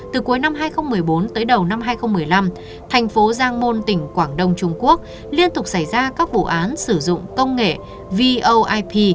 từ cuối năm hai nghìn một mươi bốn tới đầu năm hai nghìn một mươi năm thành phố giang môn tỉnh quảng đông trung quốc liên tục xảy ra các vụ án sử dụng công nghệ voip